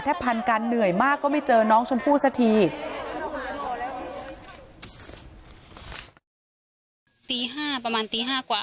ถ้าพันกันเหนื่อยมากก็ไม่เจอน้องชมพู่สักที